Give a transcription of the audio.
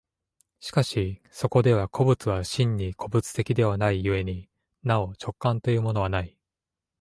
しかしそこでは個物は真に個物的ではない故になお直観というものはない。